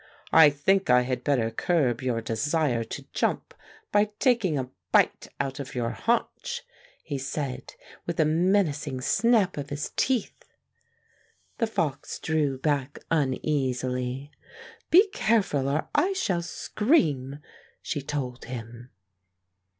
"I think I had better curb your de sire to jump by taking a bite out of your haunch," he said with a menacing snap of his teeth. The fox drew back uneasily. '' Be careful, or I shall scream," she told him.